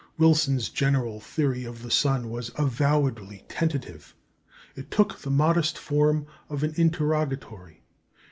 Wilson's general theory of the sun was avowedly tentative. It took the modest form of an interrogatory.